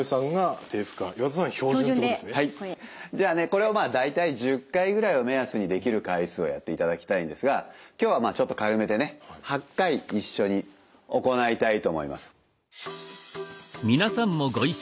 じゃあねこれを大体１０回ぐらいを目安にできる回数をやっていただきたいんですが今日はまあちょっと軽めでね８回一緒に行いたいと思います。